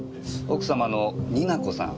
奥様の仁奈子さん